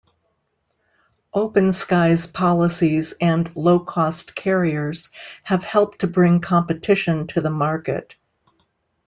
Open skies policies and low-cost carriers have helped to bring competition to the market.